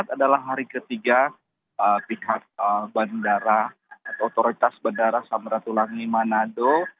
adalah hari ketiga pihak bandara atau otoritas bandara samratulangi manado